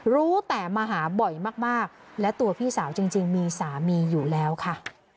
รู้แต่มาหาบ่อยมากและตัวพี่สาวจริงมีสามีอยู่แล้วค่ะ